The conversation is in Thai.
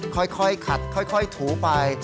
ค่อยขัดค่อยถูไป